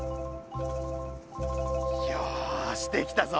よしできたぞ！